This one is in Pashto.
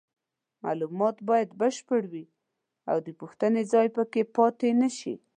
معلومات باید بشپړ وي او د پوښتنې ځای پکې پاتې نشي.